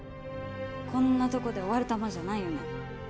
こんなとこで終わるたまじゃないよね？